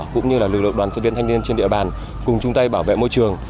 cũng như lực lượng đoàn viên thanh niên trên địa bàn cùng chung tay bảo vệ môi trường